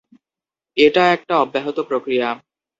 এটা একটা অব্যাহত প্রক্রিয়া।